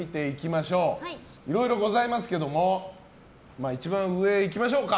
いろいろございますけども一番上、いきましょう。